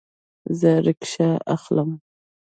زه ریکشه اخلمه